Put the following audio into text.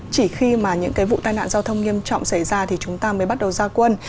chỉ khi mà những cái vụ tai nạn giao thông nghiêm trọng xảy ra thì chúng ta mới bắt đầu gia quân